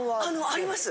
あります。